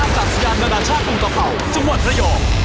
อัตราสยานนานาชาปรุงตะเผ่าจังหวัดไทยองค์